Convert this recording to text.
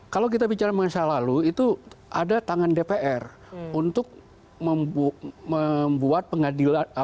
kalau kita bicara masa lalu itu ada tangan dpr untuk membuat pengadilan